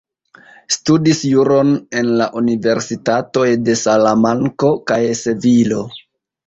Studis juron en la universitatoj de Salamanko kaj Sevilo.